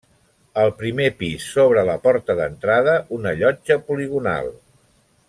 Al primer pis, sobre la porta d'entrada, una llotja poligonal.